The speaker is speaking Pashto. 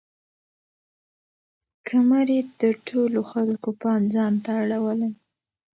کمرې د ټولو خلکو پام ځان ته اړولی.